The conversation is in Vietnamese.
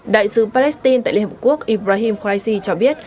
đại sứ palestine tại liên hợp quốc ibrahim khoai si cho biết